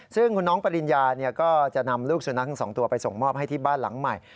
ซึ่งคุณน้องปริญญาก็จะนำลูกสุนัขทั้งสองตัวไปส่งมอบให้ที่บ้านหลังใหม่